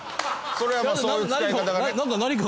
それはまあそういう使い方がね。